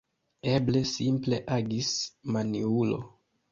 Eble, simple agis maniulo!